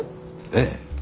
ええ。